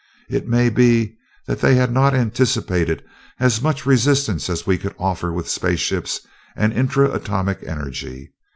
It may be that they had not anticipated as much resistance as we could offer with space ships and intra atomic energy.